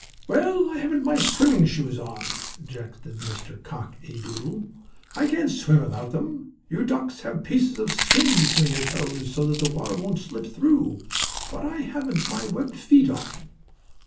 "Well, I haven't my swimming shoes on," objected Mr. Cock A. Doodle. "I can't swim without them. You ducks have pieces of skin between your toes, so the water won't slip through, but I haven't my webbed feet on."